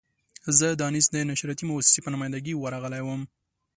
زه د انیس د نشراتي مؤسسې په نماینده ګي ورغلی وم.